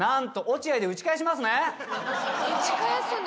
落合で打ち返しますよ。